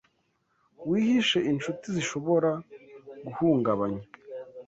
Wihishe inshuti zishobora guhungabanya